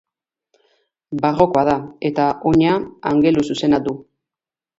Barrokoa da eta oina angeluzuzena du.